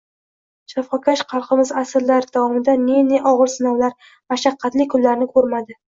“Jafokash xalqimiz asrlar davomida ne-ne og'ir sinovlar, mashaqqatli kunlarni ko'rmadi